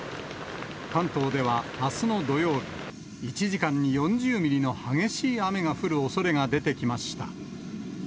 関東ではあすの土曜日、１時間に４０ミリの激しい雨が降るおそれが出てきました。